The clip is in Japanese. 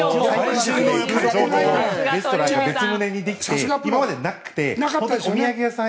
レストランが別棟にできて本当はお土産屋さん